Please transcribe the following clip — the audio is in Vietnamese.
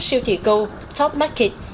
siêu thị cầu top market